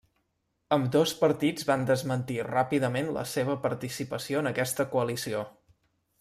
Ambdós partits van desmentir ràpidament la seva participació en aquesta coalició.